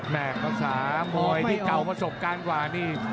แมกเขาสาหมอยที่เก่าประสบการณ์กว่านี่